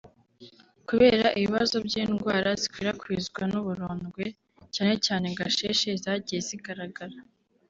Kubera ibibazo by’indwara zikwirakwizwa n’uburondwe cyane cyane Gasheshe zagiye zigaragara